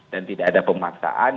dan tidak ada pemaksaan